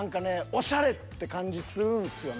オシャレって感じするんですよね。